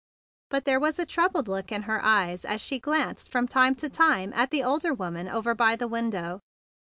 But there was a troubled look in her eyes as she glanced from time to time at the older woman over by the window.